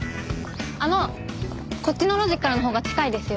あのこっちの路地からのほうが近いですよ。